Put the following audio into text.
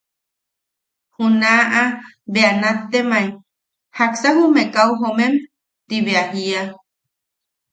Junaʼa bea nattemae: “¿Jaksa jume kau jomem?” ti bea jiia.